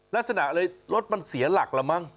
ลักษณะเลยรถมันเสียหลักละมั้ง